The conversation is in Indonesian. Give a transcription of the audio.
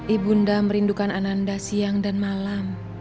ibunda merindukan ananda siang dan malam